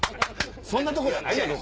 そんなとこじゃないでここ！